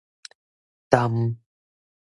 澹